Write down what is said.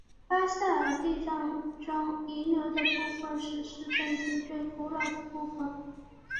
巴塞尔地震中遗留的部分是市政厅最古老的部分。